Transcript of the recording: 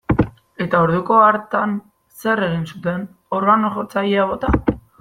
Eta orduko hartan zer egin zuten, organo-jotzailea bota?